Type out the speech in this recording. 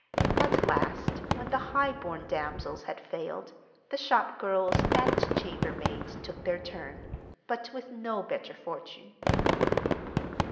At last, when the high born damsels had failed, the shopgirls and chambermaids took their turn; but with no better fortune.